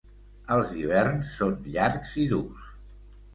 Els hiverns són llargs i durs.